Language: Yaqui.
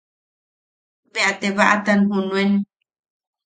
Bea te baʼatan junuen.